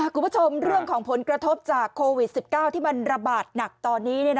คุณผู้ชมเรื่องของผลกระทบจากโควิด๑๙ที่มันระบาดหนักตอนนี้